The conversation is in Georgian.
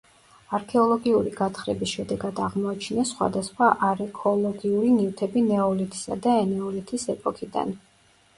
არქეოლოგიური გათხრების შედეგად აღმოაჩინეს სხვადასხვა არექოლოგიური ნივთები ნეოლითისა და ენეოლითის ეპოქიდან.